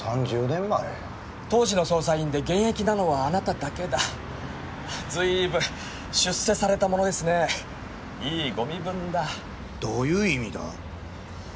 当時の捜査員で現役なのはあなただけだずいぶん出世されたものですねいいご身分どういう意味だ？